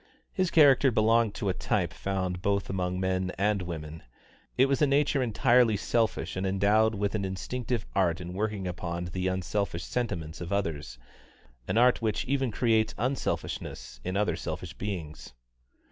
His character belonged to a type found both among men and women; it was a nature entirely selfish and endowed with an instinctive art in working upon the unselfish sentiments of others an art which even creates unselfishness in other selfish beings.